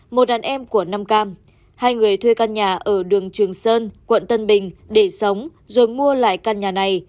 một đàn em của năm cam hai người thuê căn nhà ở đường trường sơn quận tân bình để sống rồi mua lại căn nhà này